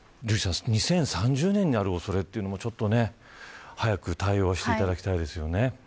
直るのが２０３０年になる恐れというのは早く対応していただきたかったですよね。